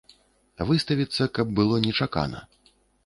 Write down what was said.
Выставіцца, каб было нечакана.